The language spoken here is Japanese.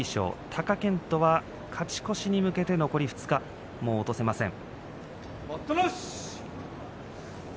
貴健斗は勝ち越しに向けて残り２日、もう落とせません。